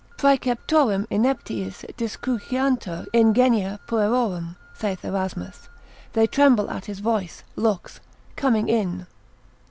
Praeceptorum ineptiis discruciantur ingenia puerorum, saith Erasmus, they tremble at his voice, looks, coming in.